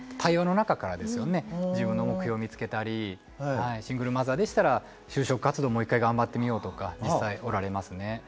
自分の目標を見つけたりシングルマザーでしたら就職活動もう一回頑張ってみようとか実際おられますね。